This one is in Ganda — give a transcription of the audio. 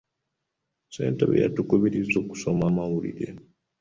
Ssentebe yatukubirizza okusoma amawulire .